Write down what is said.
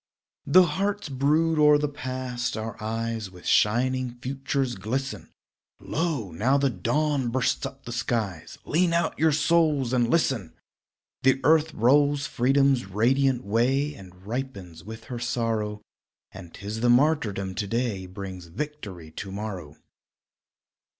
Though hearts brood o'er the past, our eyes With shining futures glisten; Lo! now the dawn bursts up the skies: Lean out your souls and listen! The earth rolls freedom's radiant way, And ripens with her sorrow; And 'tis the martyrdom to day Brings victory to morrow.